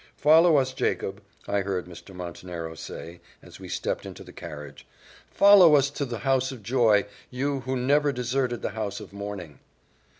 "Follow us, Jacob," I heard Mr. Montenero say, as we stepped into the carriage; "follow us to the house of joy, you who never deserted the house of mourning."